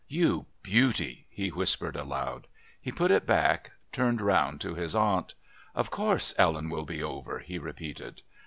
"You beauty!" he whispered aloud. He put it back, turned round to his aunt. "Of course Ellen will be over," he repeated.